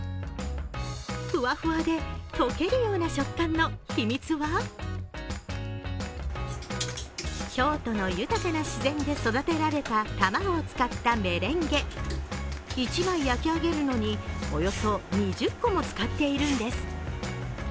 ふわふわで溶けるような食感の秘密は京都の豊かな自然で育てられた卵を使ったメレンゲ、１枚焼き上げるのに、およそ２０個も使っているんです。